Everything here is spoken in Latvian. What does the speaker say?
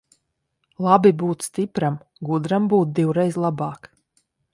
Labi būt stipram, gudram būt divreiz labāk.